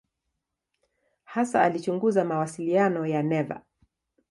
Hasa alichunguza mawasiliano ya neva.